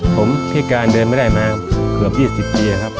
ผมพิการเดินไม่ได้มาเกือบ๒๐ปีครับ